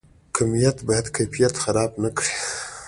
کمیت باید کیفیت خراب نکړي؟